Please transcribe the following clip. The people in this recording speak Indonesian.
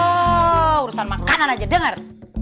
oh urusan makanan aja dengar